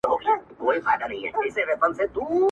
بيا دي د ناز او د ادا خبر په لـپــه كــي وي.